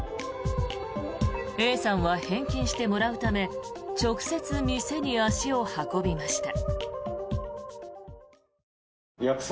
Ａさんは返金してもらうため直接、店に足を運びました。